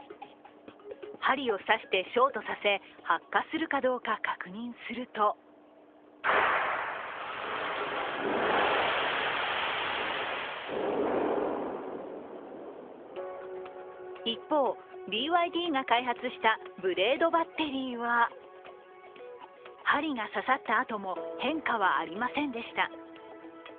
針を刺してショートさせ発火するかどうか確認すると一方、ＢＹＤが開発したブレードバッテリーは針が刺さったあとも変化はありませんでした。